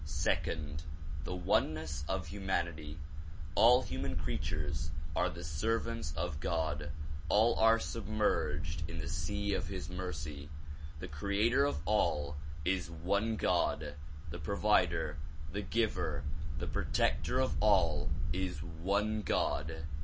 Second ; the oneness of humanity. All human creatures are the servants of God. All are submerged in the sea of his mercy. The creator of all is one God; the provider, the giver, the protector of all is one God.